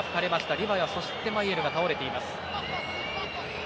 リヴァヤ、そしてマイェルが倒れています。